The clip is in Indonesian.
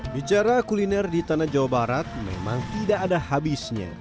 bicara kuliner di tanah jawa barat memang tidak ada habisnya